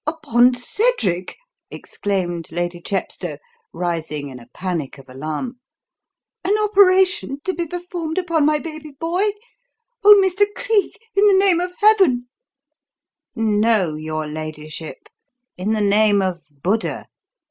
"Upon Cedric!" exclaimed Lady Chepstow, rising in a panic of alarm. "An operation to be performed upon my baby boy? Oh, Mr. Cleek, in the name of Heaven " "No, your ladyship, in the name of Buddha.